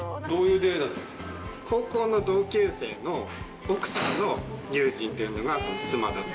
高校の同級生の奥さんの友人というのがこの妻だった。